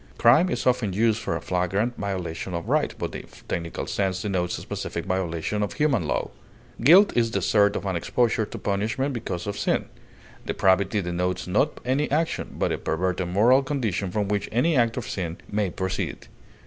Crime is often used for a flagrant violation of right, but in the technical sense denotes specific violation of human law. Guilt is desert of and exposure to punishment because of sin. Depravity denotes not any action, but a perverted moral condition from which any act of sin may proceed.